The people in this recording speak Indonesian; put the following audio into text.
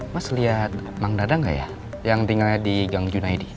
mas liat mang dadang gak ya yang tinggalnya di gang junaidi